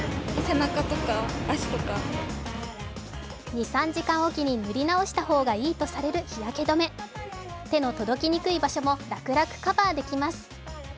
２３時間おきに塗り直した方がいいとされる日焼け止め、手の届きにくい場所も楽々カバーできます。